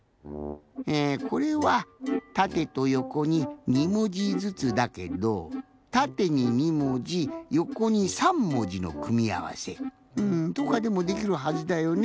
えこれはたてとよこに２もじずつだけどたてに２もじよこに３もじのくみあわせとかでもできるはずだよね。